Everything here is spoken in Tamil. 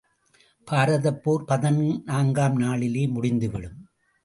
பாரதப்போர் பதினான்காம் நாளிலேயே முடிந்துவிடும்.